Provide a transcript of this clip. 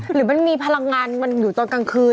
หรือมันมีพลังงานมันอยู่ตอนกลางคืน